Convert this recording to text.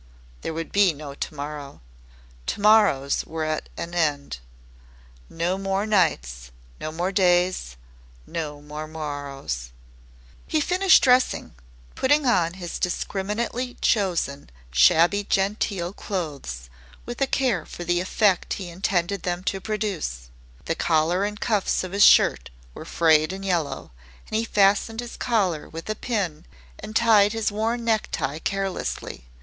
There would be no To morrow. To morrows were at an end. No more nights no more days no more morrows. He finished dressing, putting on his discriminatingly chosen shabby genteel clothes with a care for the effect he intended them to produce. The collar and cuffs of his shirt were frayed and yellow, and he fastened his collar with a pin and tied his worn necktie carelessly.